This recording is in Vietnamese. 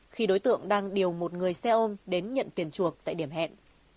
khi đối tượng đang điều một người xe ôm đến nhận tiền chuộc tại điểm hẹn